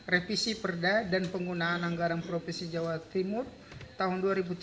revisi perda dan penggunaan anggaran provinsi jawa timur tahun dua ribu tujuh belas